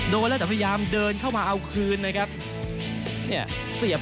โดนแล้วแต่พยายามเดินเข้ามาเอาคืนนะครับเนี่ยเสียบ